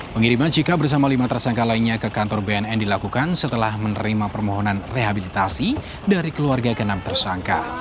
pengiriman ck bersama lima tersangka lainnya ke kantor bnn dilakukan setelah menerima permohonan rehabilitasi dari keluarga ke enam tersangka